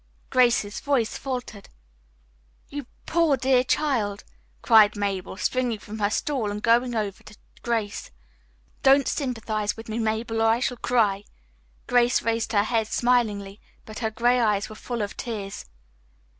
Grace's voice faltered. "You poor, dear child!" cried Mabel, springing from her stool and going over to Grace. "Don't sympathize with me, Mabel, or I shall cry." Grace raised her head smilingly, but her gray eyes were full of tears.